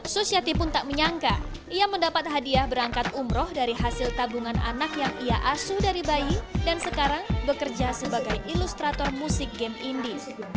susiati pun tak menyangka ia mendapat hadiah berangkat umroh dari hasil tabungan anak yang ia asuh dari bayi dan sekarang bekerja sebagai ilustrator musik game indi